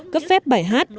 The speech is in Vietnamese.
cấp phép bài hát